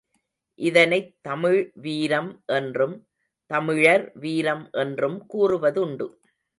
இதனைத் தமிழ் வீரம் என்றும், தமிழர் வீரம் என்றும் கூறுவதுண்டு.